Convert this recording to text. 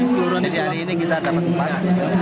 seluruh medali ini kita dapat empat